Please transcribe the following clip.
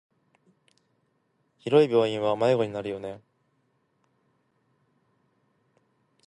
広い病院は迷子になるよね。